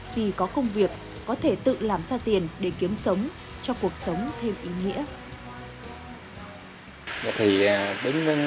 khi có công việc có thể tự làm ra tiền để kiếm sống cho cuộc sống thêm ý nghĩa